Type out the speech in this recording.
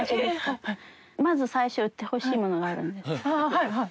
はいはい！